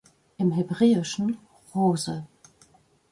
Im Hebräischen: Rose.